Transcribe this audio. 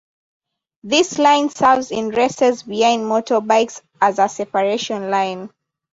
This line serves in races behind motorbikes as a separation line.